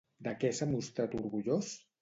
De què s'ha mostrat orgullós?